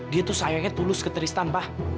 dia tuh sayangnya tulus ke tristan bah